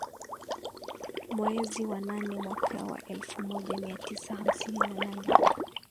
Mwaezi wa nane mwaka wa elfu moja mia tisa hamsini na nane